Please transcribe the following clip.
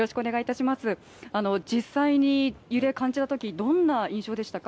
実際に揺れを感じたときどんな印象でしたか？